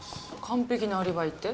完璧なアリバイって？